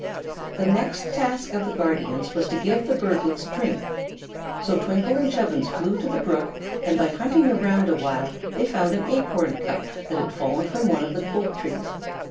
The next task of the guardians was to give the birdlets drink; so Twinkle and Chubbins flew to the brook and by hunting around a while they found an acorn cup that had fallen from one of the oak trees.